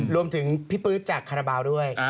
รวมถึงพี่ปื๊ดจากคาราบาลด้วย